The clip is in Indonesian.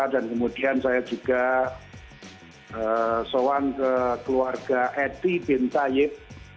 dan kemudian saya juga sowan ke keluarga eti bintayib